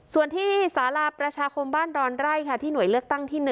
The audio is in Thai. ส่วนที่สาราประชาคมบ้านดอนไร่ค่ะที่หน่วยเลือกตั้งที่๑